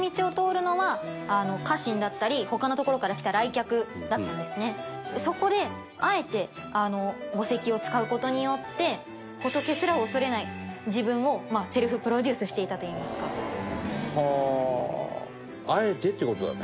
階段にそこであえて墓石を使う事によって仏すら恐れない自分をセルフプロデュースしていたといいますか。はあーあえてって事だね？